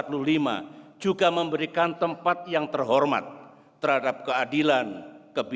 undang undang dasar seribu sembilan ratus empat puluh lima juga memberikan tempat yang terhormat terhadap keadilan dan kebebasan